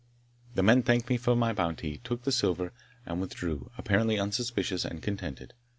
The men thanked me for my bounty, took the silver, and withdrew, apparently unsuspicious and contented.